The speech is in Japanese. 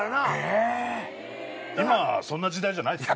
今そんな時代じゃないっすよ。